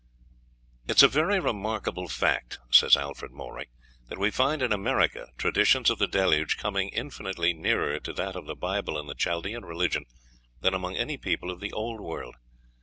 "It is a very remarkable fact," says Alfred Maury, "that we find in America traditions of the Deluge coming infinitely nearer to that of the Bible and the Chaldean religion than among any people of the Old World.